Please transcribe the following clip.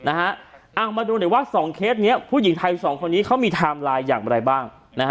เอามาดูหน่อยว่า๒เคสนี้ผู้หญิงไทยสองคนนี้เขามีไทม์ไลน์อย่างไรบ้าง